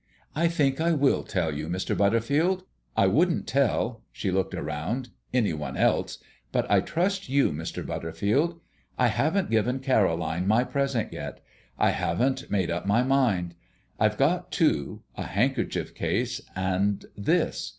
"I think I will tell you, Mr. Butterfield. I wouldn't tell" she looked round "any one else, but I trust you, Mr. Butterfield. I haven't given Caroline my present yet I haven't made up my mind. I've got two, a handkerchief case, and this.